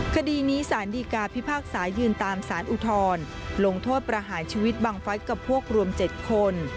คดีนี้สารดีกาพิพากษายืนตามสารอุทธรลงโทษประหารชีวิตบังฟัสกับพวกรวม๗คน